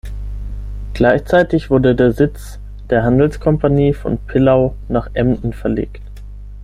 Gleichzeitig wurde der Sitz der Handelskompanie von Pillau nach Emden verlegt.